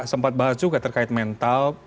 sempat bahas juga terkait mental